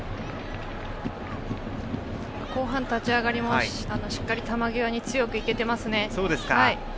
後半、立ち上がりもしっかり球際に強くいけています。